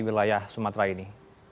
wilayah sumatera ini